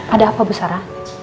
ada apa bu sara